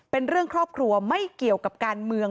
เป็นเรื่องครอบครัวไม่เกี่ยวกับการเมือง